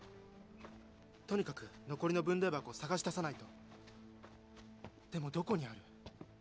とにかく残りの分霊箱をさがし出さないとでもどこにある？